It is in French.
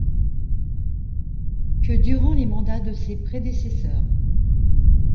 que durant les mandats de ses prédécesseurs.